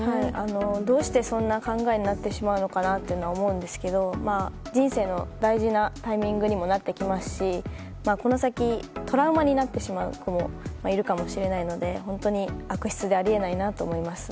どうしてそんな考えになってしまうのかと思うんですけど人生の大事なタイミングにもなってきますしこの先トラウマになってしまう方もいるかもしれないので本当に悪質であり得ないなと思います。